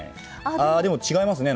あでも違いますね。